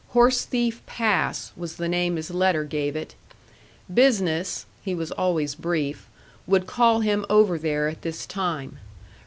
Horse Thief Pass was the name his letter gave it. Business (he was always brief) would call him over there at this time.